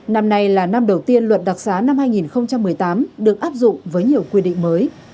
năm nay là năm đầu tiên luật đặc xá năm hai nghìn một mươi tám được áp dụng với nhiều quy định mới